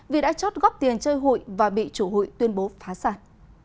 vì đã chót góp tiền chơi hội và bị chủ hội tuyên bố phá sản